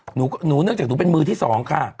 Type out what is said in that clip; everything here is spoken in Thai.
หนูเนื่องจากหนูเป็นมือที่สองค่ะ